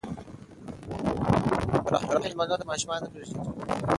رحیم مېلمنو ته ماشومان نه پرېږدي.